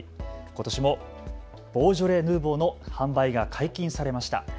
ことしもボージョレ・ヌーボーの販売が解禁されました。